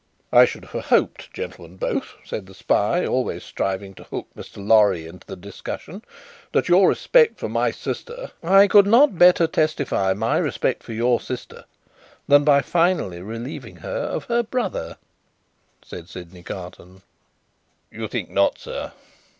"I should have hoped, gentlemen both," said the spy, always striving to hook Mr. Lorry into the discussion, "that your respect for my sister " "I could not better testify my respect for your sister than by finally relieving her of her brother," said Sydney Carton. "You think not, sir?"